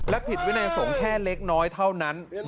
และผิดวินัยสงฆ์แค่เล็กน้อยเท่านั้น